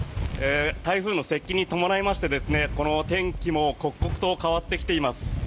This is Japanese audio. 台風の接近に伴いまして天気も刻々と変わってきています。